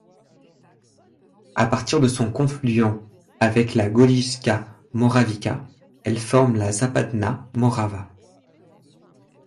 À partir de son confluent avec la Golijska Moravica, elle forme la Zapadna Morava.